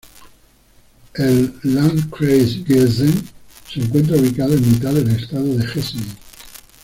El "Landkreis Gießen" se encuentra ubicado en mitad del estado de Hessen.